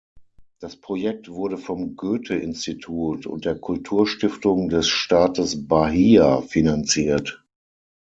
Das Projekt wurde vom Goethe-Institut und der Kulturstiftung des Staates Bahia finanziert.